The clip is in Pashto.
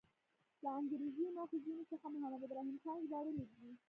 له انګریزي ماخذونو څخه محمد ابراهیم خان ژباړلی دی.